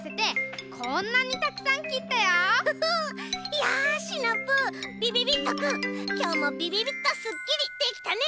いやシナプーびびびっとくんきょうもビビビッとスッキリできたね！